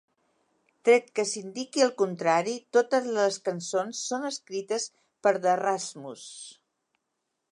Tret que s'indiqui el contrari, totes les cançons són escrites per The Rasmus.